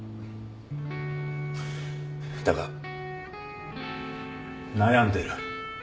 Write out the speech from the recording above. だが悩んでる。